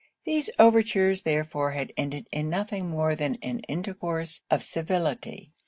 These overtures therefore had ended in nothing more than an intercourse of civility.